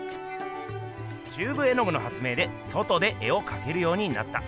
チューブ絵具の発明で外で絵をかけるようになった。